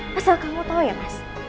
pasal kamu tau ya mas